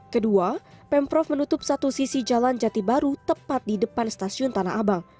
kedua pemprov menutup satu sisi jalan jati baru tepat di depan stasiun tanah abang